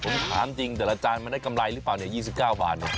ผมถามจริงแต่ละจานมันได้กำไรหรือเปล่าเนี่ย๒๙บาท